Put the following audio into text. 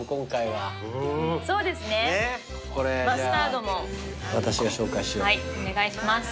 はいお願いします。